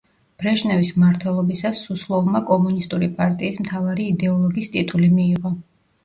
ბრეჟნევის მმართველობისას სუსლოვმა „კომუნისტური პარტიის მთავარი იდეოლოგის“ ტიტული მიიღო.